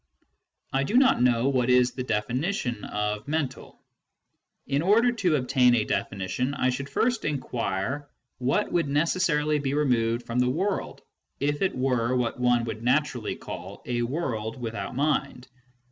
I do not know what is the definition of " mental." In order to obtain a definition, I should first inquire what would necessarily be removed from the world if it were what one would naturally call a world without mind.